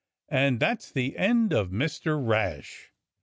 And that's the end of Mr. Rash."